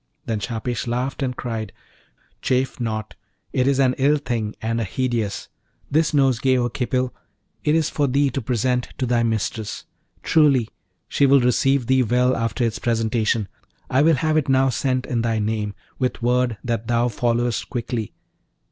Then Shahpesh laughed, and cried, 'Chafe not! it is an ill thing and a hideous! This nosegay, O Khipil, it is for thee to present to thy mistress. Truly she will receive thee well after its presentation! I will have it now sent in thy name, with word that thou followest quickly.